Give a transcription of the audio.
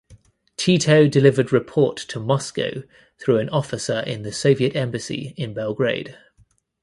Tito delivered report to Moscow through an officer in the Soviet Embassy in Belgrade.